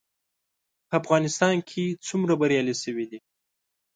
په افغانستان کې څومره بریالي شوي دي؟